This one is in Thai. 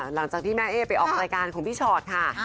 หลังจากที่แม่เอ๊ไปออกรายการของพี่ชอตค่ะ